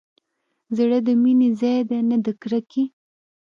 زړه د مينې ځاى دى نه د کرکې.